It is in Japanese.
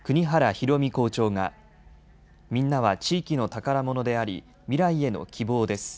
尋美校長がみんなは地域の宝物であり、未来への希望です。